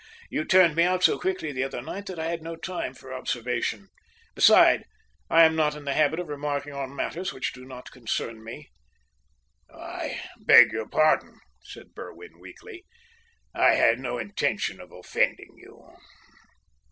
You turned me out so quickly the other night that I had no time for observation. Besides, I am not in the habit of remarking on matters which do not concern me." "I beg your pardon," said Berwin weakly. "I had no intention of offending you.